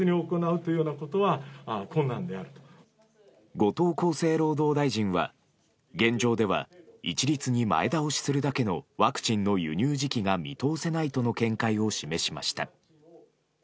後藤厚生労働大臣は現状では一律に前倒しするだけのワクチンの輸入時期が見通せないとの見解を示しました。